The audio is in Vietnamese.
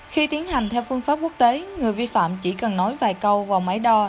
khi tiến hành theo phương pháp quốc tế người vi phạm chỉ cần nói vài câu vào máy đo